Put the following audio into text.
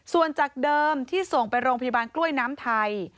ส่วนจากเดิมที่ส่งไปโรงพยาบาลกล้วยน้ำไทย